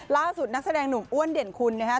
นักแสดงหนุ่มอ้วนเด่นคุณนะครับ